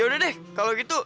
yaudah deh kalau gitu